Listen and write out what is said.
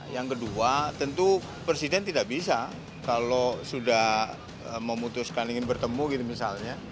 yang kedua tentu presiden tidak bisa kalau sudah memutuskan ingin bertemu gitu misalnya